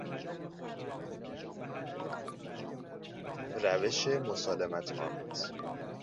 روش مسالمتآمیز